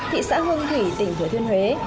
thị xã hương thủy tỉnh thừa thiên huế